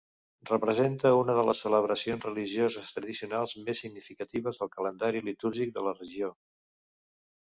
Representa una de les celebracions religioses tradicionals més significants del calendari litúrgic de la regió.